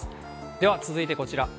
では、続いてこちら。